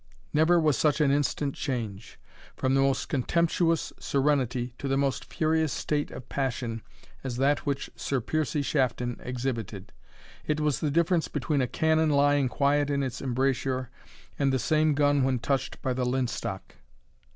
Never was such an instant change, from the most contemptuous serenity, to the most furious state of passion, as that which Sir Piercie Shafton exhibited. It was the difference between a cannon lying quiet in its embrasure, and the same gun when touched by the linstock.